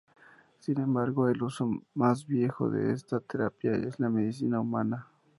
Sin embargo, el uso más viejo de esta terapia, es en la medicina humana.